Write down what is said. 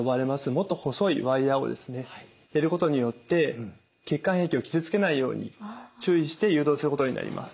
もっと細いワイヤーをですね入れることによって血管壁を傷つけないように注意して誘導することになります。